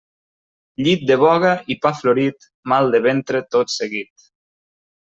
Llit de boga i pa florit, mal de ventre tot seguit.